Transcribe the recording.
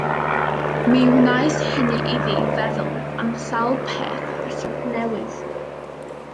Mi wnaeth hynny iddi feddwl am sawl peth hollol newydd.